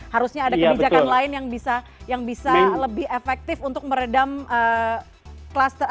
harusnya ada kebijakan lain yang bisa lebih efektif untuk meredam klaster